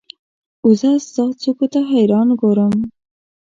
اوزه ستا څوکو ته حیران ګورم